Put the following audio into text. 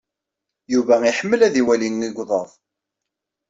Yuba iḥemmel ad iwali igḍaḍ.